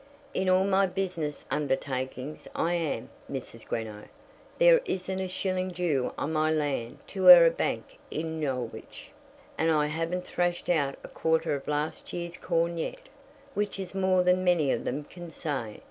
"In all my business undertakings I am, Mrs. Greenow. There isn't a shilling due on my land to e'er a bank in Norwich; and I haven't thrashed out a quarter of last year's corn yet, which is more than many of them can say.